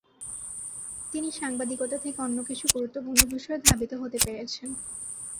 তিনি সাংবাদিকতা থেকে অন্যকিছু গুরুত্বপূর্ণ বিষয়ে ধাবিত হতে পেরেছেন।